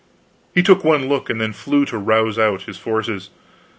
He took one look and then flew to rouse out his forces.